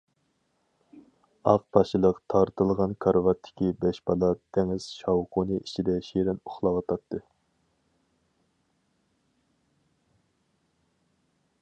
ئاق پاشىلىق تارتىلغان كارىۋاتتىكى بەش بالا دېڭىز شاۋقۇنى ئىچىدە شېرىن ئۇخلاۋاتاتتى.